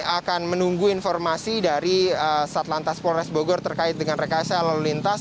akan menunggu informasi dari satlantas polres bogor terkait dengan rekayasa lalu lintas